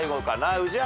宇治原。